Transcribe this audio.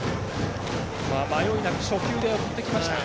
迷いなく初球でやってきました。